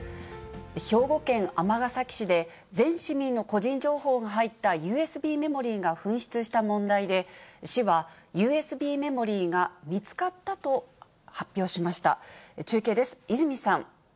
兵庫県尼崎市で全市民の個人情報が入ったＵＳＢメモリーが紛失した問題で、市は、ＵＳＢメモリーが見つかったと発表しました。